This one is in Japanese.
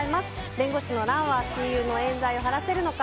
弁護士の蘭は親友の冤罪を晴らせるのか？